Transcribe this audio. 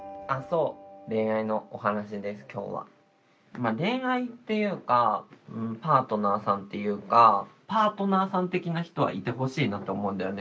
まあ恋愛っていうかパートナーさんっていうかパートナーさん的な人はいてほしいなって思うんだよね。